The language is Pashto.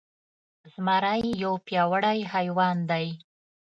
زمری يو پياوړی حيوان دی.